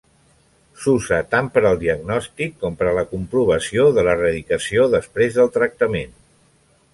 S'usa tant per al diagnòstic com per a la comprovació de l'erradicació després del tractament.